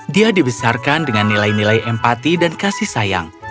dia dibesarkan dengan nilai nilai empati dan kasih sayang